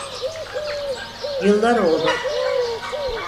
Yıllar oldu.